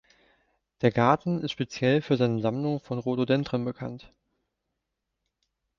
Der Garten ist speziell für seine Sammlung von Rhododendren bekannt.